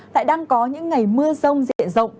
lại đang có những ngày mưa rông dịa rộng